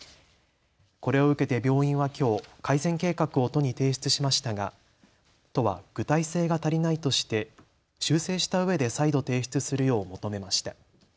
これを受けて病院はきょう改善計画を都に提出しましたが都は具体性が足りないとして修正したうえで再度提出するよう求めました。